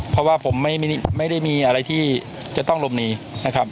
ท่านก็มีความยุติธรรมมากนะครับเพราะต้องยกย่องด้วยครับ